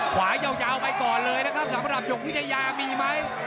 ขวายาวไปก่อนเลยนะครับสำหรับหยกวิทยามีไหม